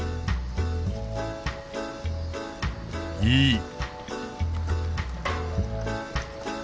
いい！